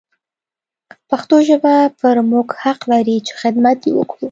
پښتو ژبه پر موږ حق لري چې حدمت يې وکړو.